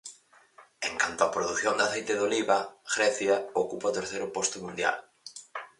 En canto á produción de aceite de oliva, Grecia ocupa o terceiro posto mundial.